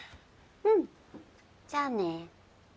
うんじゃあね。